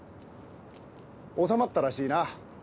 収まったらしいな。